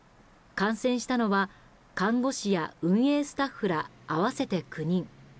感染したのは看護師や運営スタッフら合わせて９人。